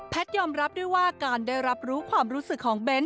ยอมรับด้วยว่าการได้รับรู้ความรู้สึกของเบ้น